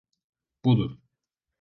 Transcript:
Budur.